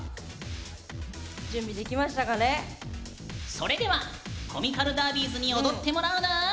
それではコミカルダービーズに踊ってもらうぬん！